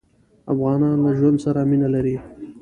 افغانان له ژوند سره مينه لري.